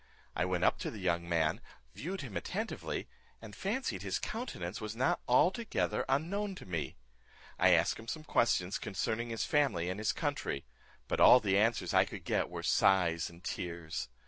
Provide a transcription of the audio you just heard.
I went up to the young man, viewed him attentively, and fancied his countenance was not altogether unknown to me. I asked him some questions concerning his family and his country; but all the answers I could get were sighs and tears.